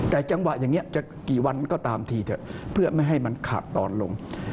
แต่จังหวะอย่างนี้จะกี่วันก็ตามทีเถอะเพื่อไม่ให้มันขาดตอนลง